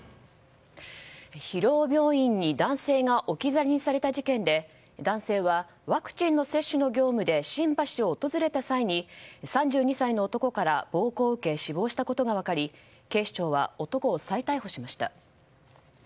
広尾病院に男性が置き去りにされた事件で男性はワクチンの接種の業務で新橋を訪れた際に３２歳の男から暴行を受け死亡したことが分かり警視庁は男を再逮捕しました。